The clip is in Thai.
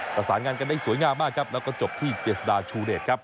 ประสานงานกันได้สวยงามมากครับแล้วก็จบที่เจษฎาชูเดชครับ